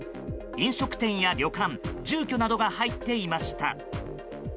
飲食店や旅館、住居などが入っていました。